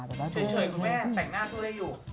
แต่เฉยคุณแม่แต่งหน้าสู้ได้อยู่